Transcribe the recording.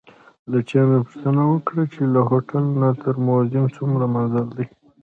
له چا مې پوښتنه وکړه چې له هوټل نه تر موزیم څومره مزل دی؟